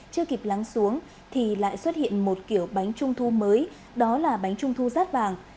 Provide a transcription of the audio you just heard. chưa kịp lắng xuống thì lại xuất hiện một kiểu bánh trung thu mới đó là bánh trung thu rát vàng